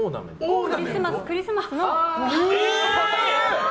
クリスマスの。